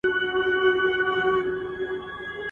زه به اوږده موده تمرين وم